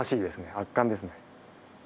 圧巻ですね。